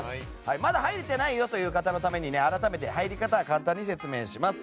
まだ入れていないよという人のために改めて入り方を簡単に説明します。